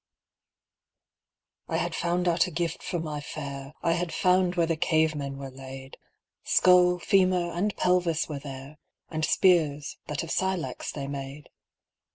I HAD found out a gift for my fair, I had found where the cave men were laid Skull, femur, and pelvis were there. And spears, that of silex they made.